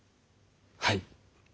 はい。